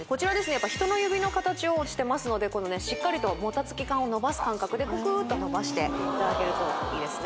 やっぱ人の指の形をしてますのでしっかりともたつき感を伸ばす感覚でククーッと伸ばしていただけるといいですね